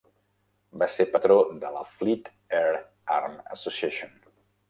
Va ser patró de la Fleet Air Arm Association.